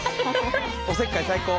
おせっかい最高。